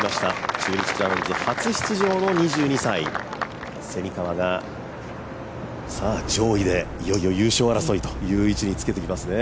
中日クラウンズ初出場の２２歳蝉川が上位でいよいよ優勝争いという位置につけていますね。